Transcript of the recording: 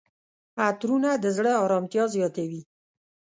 عطرونه د زړه آرامتیا زیاتوي.